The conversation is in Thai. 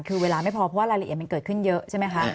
คือเวลาไม่พอเพราะว่ารายละเอียดมันเกิดขึ้นเยอะใช่ไหมคะ